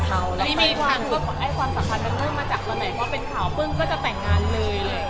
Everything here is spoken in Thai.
เพราะเป็นข่าวพึ่งก็จะแต่งงานเลย